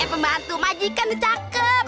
pembantu majikan tuh cakep